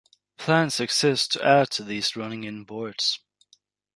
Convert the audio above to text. Plans exist to add to these running-in boards.